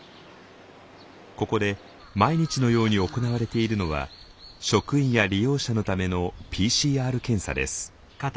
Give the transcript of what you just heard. ここで毎日のように行われているのは職員や利用者のためのＰＣＲ検査です。